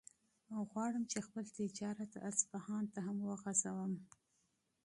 غواړم چې خپل تجارت اصفهان ته هم وغځوم.